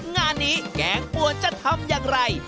งานนี้แกงปัวจะทำอย่างไร